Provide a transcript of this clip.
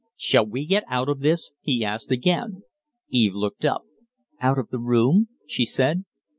"Shall we get out of this?" he asked again. Eve looked up. "Out of the room?" she said.